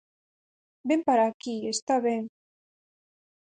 Vén para aquí, está ben.